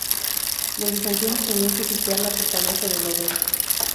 Los bizantinos tenían que sitiar la fortaleza de Lovech.